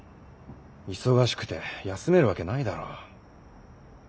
忙しくて休めるわけないだろ。